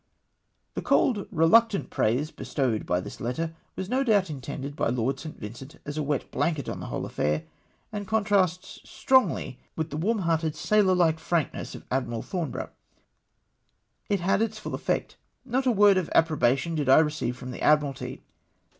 The cold, reluctant praise bestowed by tliis letter, was no doubt intended by Lord St. Vincent as a wet blanket on the whole affair, and contrasts strongly VOL. I. 194 CRUISE OF THE PALLAS. with the warm hearted sailor hke frankness of Admiral Thoriiborough. It had its full effect ; not a word of approbation did I receive from the Admiralty.